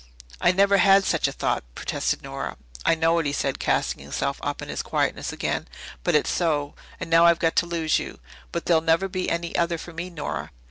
"I never had such a thought," protested Nora. "I know it," he said, casing himself up in his quietness again. "But it's so and now I've got to lose you. But there'll never be any other for me, Nora."